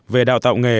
về đào tạo nghề